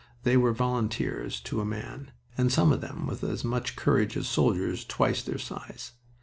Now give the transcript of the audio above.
They were volunteers to a man, and some of them with as much courage as soldiers twice their size.